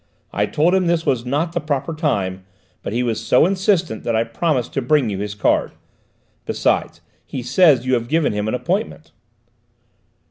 I told him this was not the proper time, but he was so insistent that I promised to bring you his card. Besides, he says you have given him an appointment."